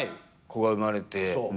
子が生まれて。